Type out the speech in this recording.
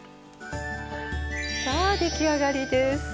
出来上がりです。